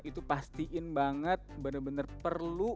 itu pastiin banget bener bener perlu